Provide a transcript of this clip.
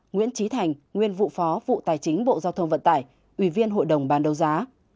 nguyễn trí thành nguyên vụ phó vụ tài chính bộ giao thông vận tải ủy viên hội đồng bán đấu giá